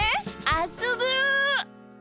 あっそぶ！